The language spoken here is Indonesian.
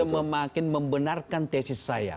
semakin membenarkan tesis saya